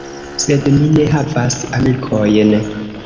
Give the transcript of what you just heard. Sed mi ne havas amikojn.